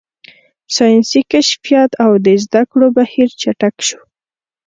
ساینسي کشفیات او د زده کړې بهیر چټک شو.